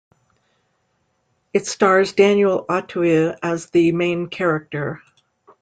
It stars Daniel Auteuil as the main character.